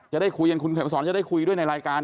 จะได้คุยกันคุณเขมสอนจะได้คุยด้วยในรายการ